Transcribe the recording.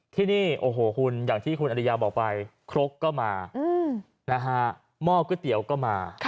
ที่นี่อย่างที่คุณอริยาบอกไปคลกก็มาหม้อก๋อเตี๋ยวก็มา